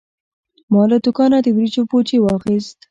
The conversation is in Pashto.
ما له دوکانه د وریجو بوجي واخیست.